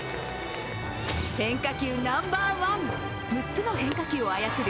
変化球ナンバーワン、６つの変化球を操る